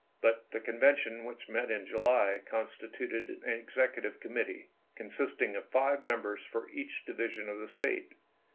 But the Convention which met in July constituted an executive committee, consisting i864. of five members for each division of the State.